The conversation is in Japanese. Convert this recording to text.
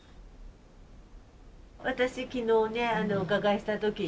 私昨日ねお伺いした時にね。